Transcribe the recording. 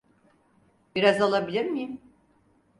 Biraz alabilir miyim?